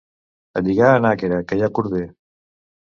A lligar a Nàquera, que hi ha cordell!